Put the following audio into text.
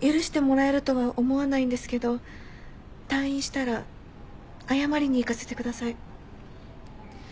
許してもらえるとは思わないんですけど退院したら謝りに行かせてください。